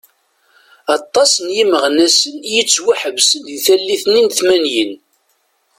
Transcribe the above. Aṭas n imeɣnasen i yettwaḥebsen di tallit-nni n tmanyin.